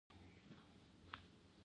په خپل تاریخ.